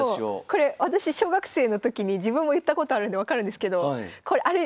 これ私小学生の時に自分も言ったことあるんで分かるんですけどあれ